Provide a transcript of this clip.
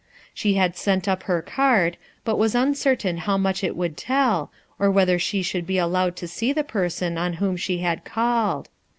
She had sent up her card, but was uncertain how much it would tell, or whether she should be allowed to see the person on whom she had called.